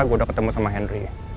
gua udah ketemu sama henry